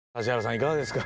いかがですか？